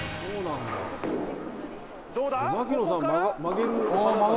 どうだ？！